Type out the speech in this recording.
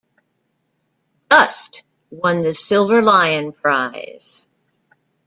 "Dust" won the Silver Lion prize.